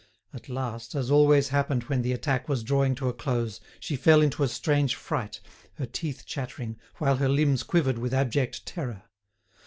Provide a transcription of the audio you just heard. At last, as always happened when the attack was drawing to a close, she fell into a strange fright, her teeth chattering, while her limbs quivered with abject terror.